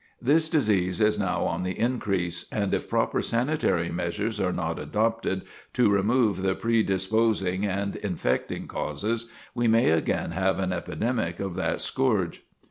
This disease is now on the increase, and if proper sanitary measures are not adopted to remove the predisposing and the infecting causes, we may again have an epidemic of that scourge.